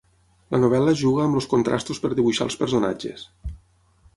La novel·la juga amb els contrastos per dibuixar els personatges.